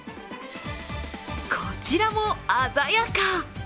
こちらも鮮やか！